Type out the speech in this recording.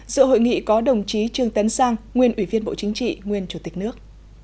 sự hội nghị có đồng chí trương tấn sang nguyên ủy viên bộ chính trị nguyên chủ tịch nước